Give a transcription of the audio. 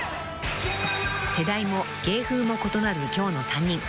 ［世代も芸風も異なる今日の３人］